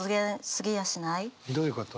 どういうこと？